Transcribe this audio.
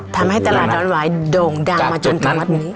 ทำให้ตลาดดอนหวายโด่งดังมาจนถึงวัดนี้